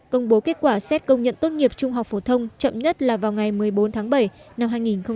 công bố kết quả xét công nhận tốt nghiệp trung học phổ thông chậm nhất là vào ngày một mươi bốn tháng bảy năm hai nghìn hai mươi